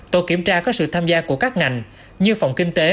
tổ kiểm tra có sự tham gia của các ngành như phòng kinh tế